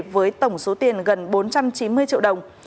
với tổng số tiền gần bốn trăm chín mươi triệu đồng